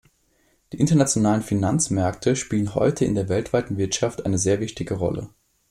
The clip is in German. Die internationalen Finanzmärkte spielen heute in der weltweiten Wirtschaft eine sehr wichtige Rolle.